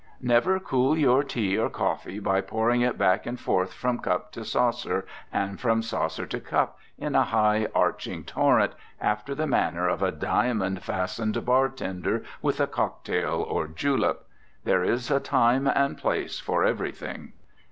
Never cool your tea or coffee by pouring it back and forth from cup to saucer and from saucer to cup in a high arching torrent, after the manner of a diamond fastened bar tender with a cocktail or julep. There's a time and place for everything.